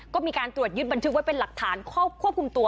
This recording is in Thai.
ก็มีการตรวจยึดบันทึกไว้เป็นหลักฐานควบคุมตัว